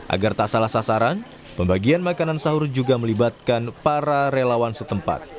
agar tak salah sasaran pembagian makanan sahur juga melibatkan para relawan setempat